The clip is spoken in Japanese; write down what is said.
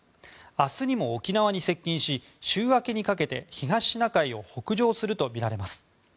明日にも沖縄に接近し週明けにかけて東シナ海を北上するとみられます。